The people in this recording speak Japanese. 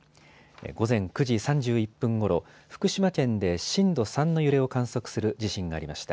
午前９時３１分ごろ、福島県で震度３の揺れを観測する地震がありました。